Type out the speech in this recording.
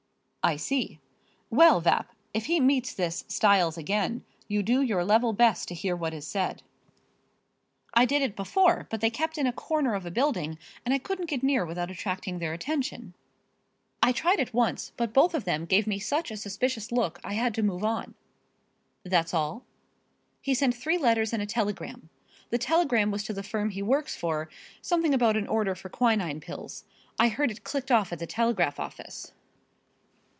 "I see. Well, Vapp, if he meets this Styles again you do your level best to hear what is said." "I did it before, but they kept in a corner of a building and I couldn't get near without attracting their attention. I tried it once but both of them gave me such a suspicious look I had to move on." "That's all?" "He sent three letters and a telegram. The telegram was to the firm he works for, something about an order for quinine pills I heard it clicked off at the telegraph office."